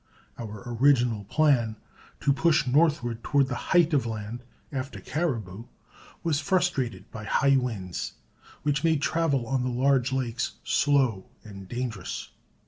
Our original plan, to push northward toward the "Height of Land" after caribou, was frustrated by high winds, which made travel on the large lakes slow and dangerous.